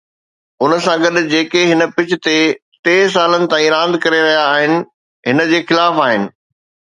ان سان گڏ، جيڪي هن پچ تي سالن تائين راند ڪري رهيا آهن، هن جي خلاف آهن.